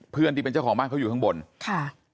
ที่เป็นเจ้าของบ้านเขาอยู่ข้างบนค่ะ